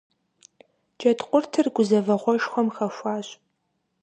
Джэдкъуртыр гузэвэгъуэшхуэм хэхуащ.